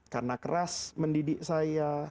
karena keras mendidik saya